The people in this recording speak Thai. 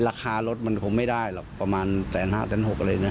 ราคารถมันคงไม่ได้หรอกประมาณแสนห้าแสนหกอะไรเนี่ย